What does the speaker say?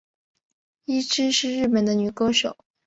伊织是日本的女歌手。